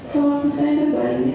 sewaktu saya berbalik di sana